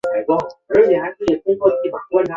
史学家李铭汉次子。